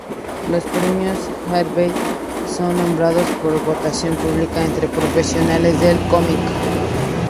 Los Premios Harvey son nombrados por votación pública entre profesionales del cómic.